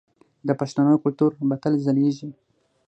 د پښتنو کلتور به تل ځلیږي.